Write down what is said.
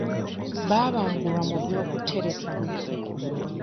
Baabangulwa mu by'okutereka.